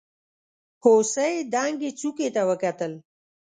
هوسۍ دنګې څوکې ته وکتل.